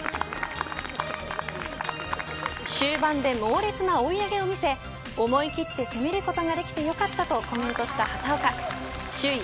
終盤で猛烈な追い上げを見せ思い切って攻めることができてよかったとコメントした畑岡首位